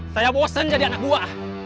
saya bosen jadi anak buah